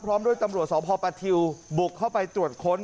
พร้อมด้วยตำรวจสพปทิวบุกเข้าไปตรวจค้น